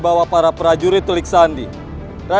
kamu pasti tidak memerlukan kita